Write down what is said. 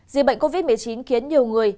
dịch bệnh covid một mươi chín khiến nhiều người